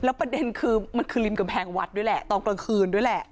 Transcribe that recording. ประเด็นคือมันคือริมกำแพงวัดด้วยแหละตอนกลางคืนด้วยแหละ